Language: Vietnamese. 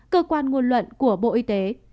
cơ quan nguồn luận của bộ y tế